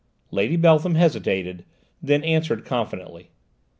Lady Beltham hesitated, then answered confidently.